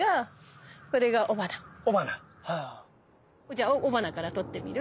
じゃあ雄花から撮ってみる？